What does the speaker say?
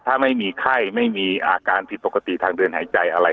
ถ้าไม่มีไข้ไม่มีอาการผิดปกติทางเดินหายใจอะไร